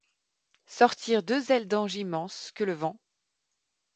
Sortir deux ailes d'ange immenses, que le vent